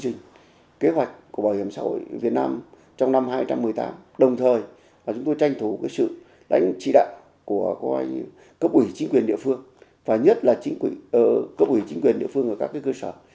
chúng tôi đã đặt ra kế hoạch của bảo hiểm xã hội việt nam trong năm hai nghìn một mươi tám đồng thời chúng tôi tranh thủ sự đánh trị đại của cấp ủy chính quyền địa phương và nhất là cấp ủy chính quyền địa phương ở các cơ sở